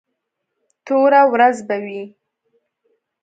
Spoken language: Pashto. توره ورځ به وي.